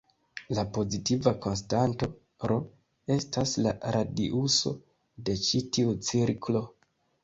La pozitiva konstanto "r" estas la radiuso de ĉi tiu cirklo.